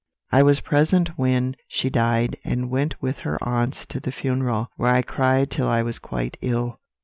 "I was present when she died, and went with her aunts to the funeral, where I cried till I was quite ill.